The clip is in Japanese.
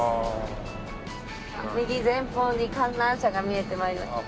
右前方に観覧車が見えて参りました。